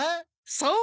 そう！